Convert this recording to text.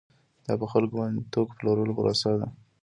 دا په خلکو باندې د توکو د پلورلو پروسه ده